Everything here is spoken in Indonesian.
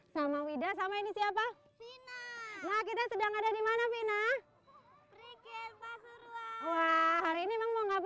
sama wida sama ini siapa kita sedang ada di mana vina hari ini mau ngapain vina